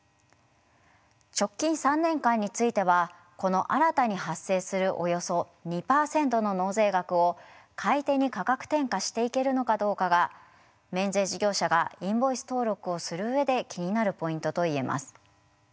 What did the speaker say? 直近３年間についてはこの新たに発生するおよそ２％の納税額を買い手に価格転嫁していけるのかどうかが免税事業者がインボイス登録をする上で気になるポイントといえます。